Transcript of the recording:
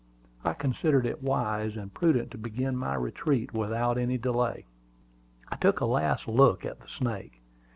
I considered it wise and prudent to begin my retreat without any delay. I took a last look at the snake.